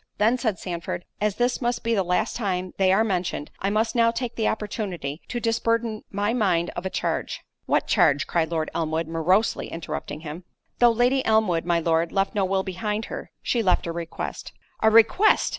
"Then," said Sandford, "as this must be the last time they are mentioned, I must now take the opportunity to disburden my mind of a charge"— "What charge?" cried Lord Elmwood, morosely interrupting him. "Though Lady Elmwood, my Lord, left no will behind her, she left a request." "A request!"